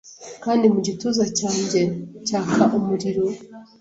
Kandi mu gituza cyanjye cyakaumuriro